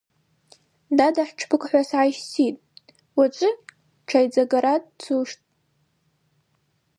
Дада хӏтшбыг-хӏва сгӏайщтитӏ, уачӏвы чвайдзагара дцуштӏ.